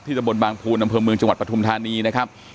ที่ระบบนบางภูนย์ดำเภอเมืองจังหวัดประธุมธานีนะครับ